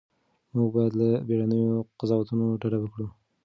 موږ باید له بیړنیو قضاوتونو ډډه وکړو.